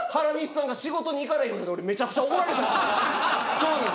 そうなんです。